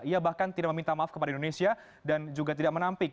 ia bahkan tidak meminta maaf kepada indonesia dan juga tidak menampik